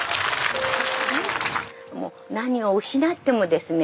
何を失ってもですね